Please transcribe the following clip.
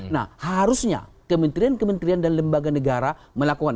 nah harusnya kementerian kementerian dan lembaga negara melakukan